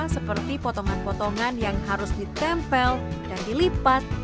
seperti potongan potongan yang harus ditempel dan dilipat